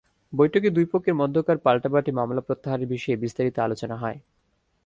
বৈঠকে দুই পক্ষের মধ্যকার পাল্টাপাল্টি মামলা প্রত্যাহারের বিষয়ে বিস্তারিত আলোচনা হয়।